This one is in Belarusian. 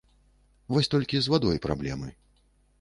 Вось толькі з вадой праблемы.